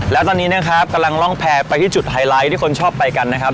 แล้วตอนนี้นะครับกำลังร่องแพร่ไปที่จุดไฮไลท์ที่คนชอบไปกันนะครับ